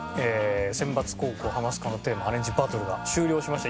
センバツ高校『ハマスカのテーマ』アレンジバトルが終了しました。